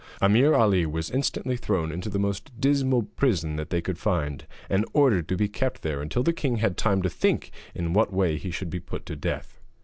Ameer Ali was instantly thrown into the most dismal prison that they could find, and ordered to be kept there until the king had time to think in what way he should be put to death.